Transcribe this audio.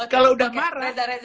kalau udah marah